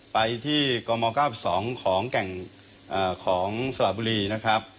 ไปที่กม๙๒ของแก่งของสระบุรีนะครับ